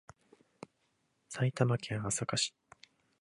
埼玉県朝霞市